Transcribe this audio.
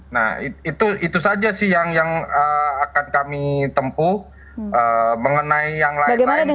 nah itu saja sih yang akan kami tempuh mengenai yang lain lain